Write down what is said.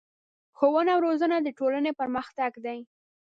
ښوونه او روزنه د ټولنې پرمختګ دی.